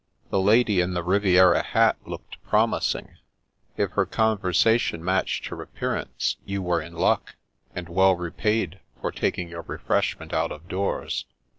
The lady in the Riviera hat looked promising. If her con versation matched her appearance, you were in luck, and well repaid for taking your refreshment out of doors."